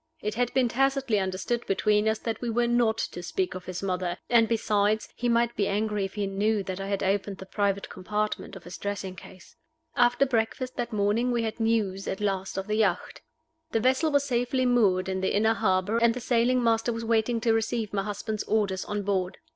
It had been tacitly understood between us that we were not to speak of his mother and, besides, he might be angry if he knew that I had opened the private compartment of his dressing case. After breakfast that morning we had news at last of the yacht. The vessel was safely moored in the inner harbor, and the sailing master was waiting to receive my husband's orders on board.